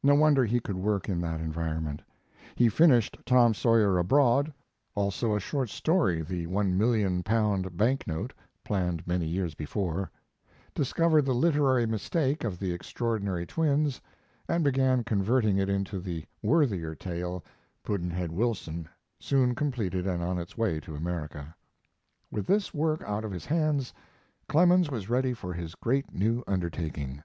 No wonder he could work in that environment. He finished 'Tom Sawyer Abroad', also a short story, 'The L 1,000,000 Bank Note' (planned many years before), discovered the literary mistake of the 'Extraordinary Twins' and began converting it into the worthier tale, 'Pudd'nhead Wilson', soon completed and on its way to America. With this work out of his hands, Clemens was ready for his great new undertaking.